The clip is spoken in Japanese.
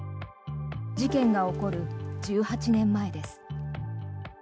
事件が起こる１８年前です。